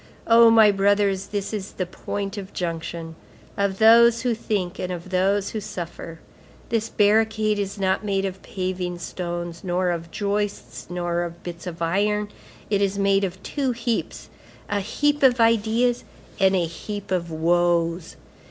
Oh my brothers, this is the point of junction, of those who think and of those who suffer; this barricade is not made of paving stones, nor of joists, nor of bits of iron; it is made of two heaps, a heap of ideas, and a heap of woes.